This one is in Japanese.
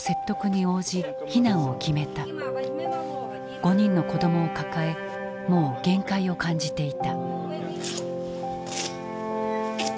５人の子どもを抱えもう限界を感じていた。